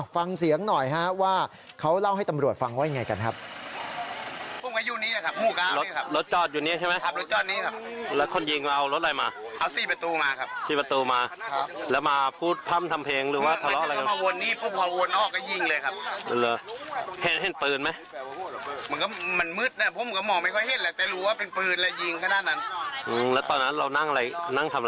ฟังเสียงหน่อยฮะว่าเขาเล่าให้ตำรวจฟังว่ายังไงกันครับ